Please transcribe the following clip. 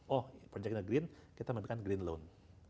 oh projectnya green kita memberikan green loan